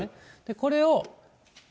これを。